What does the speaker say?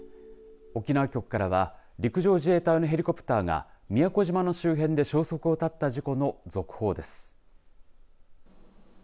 沖縄局からは陸上自衛隊のヘリコプターが宮古島の周辺で消息を絶った事故の続報です。